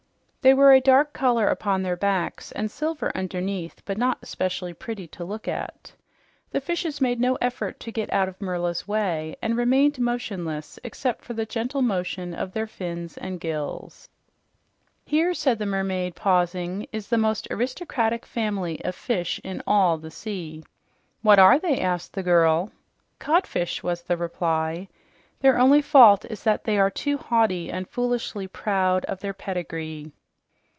They were a dark color upon their backs and silver underneath, but not especially pretty to look at. The fishes made no effort to get out of Merla's way and remained motionless except for the gentle motion of their fins and gills. "Here," said the mermaid, pausing, "is the most aristocratic family of fish in all the sea." "What are they?" asked the girl. "Codfish," was the reply. "Their only fault is that they are too haughty and foolishly proud of their pedigree."